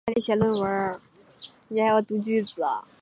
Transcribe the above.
此理论可以帮助预测人与人之间的关系。